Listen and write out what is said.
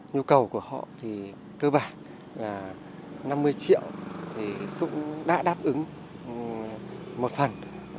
nhu cầu của họ thì cơ bản là năm mươi triệu thì cũng đã đáp ứng một phần